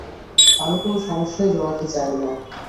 আমি কোনো সমস্যায় জড়াতে চাই না।